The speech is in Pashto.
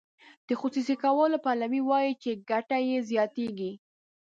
د خصوصي کولو پلوي وایي چې ګټه یې زیاتیږي.